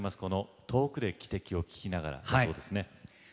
この「遠くで汽笛を聞きながら」だそうですね。